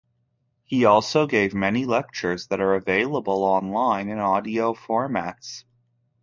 He also gave many lectures that are available online in audio formats.